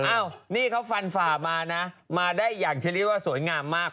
อ้าวนี่เขาฟันฝ่ามานะมาได้อย่างเช่นเรียกว่าสวยงามมาก